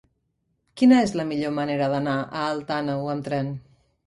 Quina és la millor manera d'anar a Alt Àneu amb tren?